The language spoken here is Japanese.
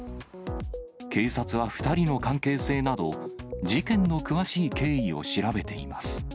警察は２人の関係性など、事件の詳しい経緯を調べています。